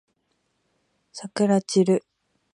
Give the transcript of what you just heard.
さくらちる